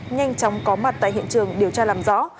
nhanh chóng có mặt tại hiện trường điều tra làm rõ